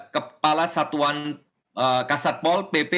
kepala satuan kasatpol pp